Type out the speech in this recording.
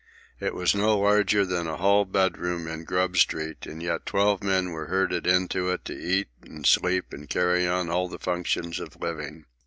It was no larger than a hall bedroom in Grub Street, and yet twelve men were herded into it to eat and sleep and carry on all the functions of living.